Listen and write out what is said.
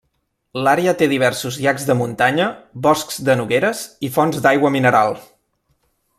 L'àrea té diversos llacs de muntanya, boscs de nogueres i fonts d'aigua mineral.